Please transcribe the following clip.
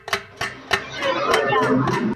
尤其在西半球最多样。